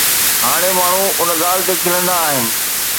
هاڻي ماڻهو ان ڳالهه تي کلندا آهن.